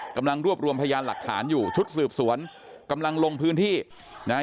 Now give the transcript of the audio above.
กำลังรวบรวมพยานหลักฐานอยู่ชุดสืบสวนกำลังลงพื้นที่นะฮะ